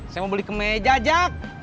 saya mau beli kemeja jak